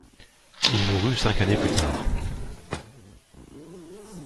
Il mourut cinq années plus tard.